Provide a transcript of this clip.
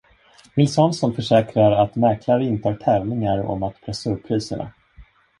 Nils Hansson försäkrar att mäklare inte har tävlingar om att pressa upp priserna.